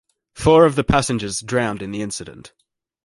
Four of the passengers drowned in the incident.